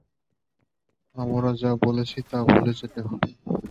আমরা যা বলেছি তা ভুলে যেতে হবে।